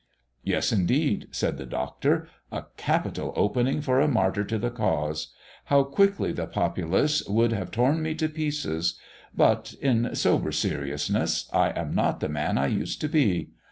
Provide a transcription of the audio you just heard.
"Yes, indeed!" said the Doctor. "A capital opening for a martyr to the cause. How quickly the populace would have torn me to pieces! But, in sober seriousness, I am not the man I used to be.